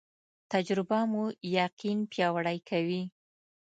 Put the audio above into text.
تجربه مو یقین پیاوړی کوي